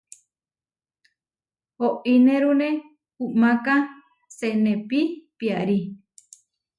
Oínerune umáka senepí piarí.